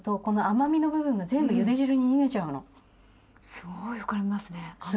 すごい膨らみますね甘さが。